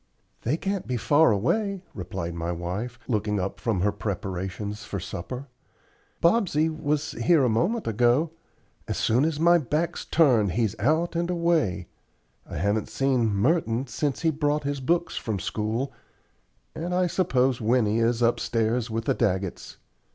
"They can't be far away," replied my wife, looking up from her preparations for supper. "Bobsey was here a moment ago. As soon as my back's turned he's out and away. I haven't seen Merton since he brought his books from school, and I suppose Winnie is upstairs with the Daggetts."